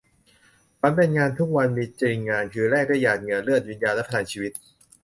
ฝันเป็นงานทุกวันมีจริงงาน คือแลกด้วยหงาดเหงื่อ เลือด วิญญาณ และพลังชีวิต